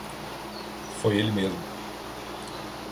Foi ele mesmo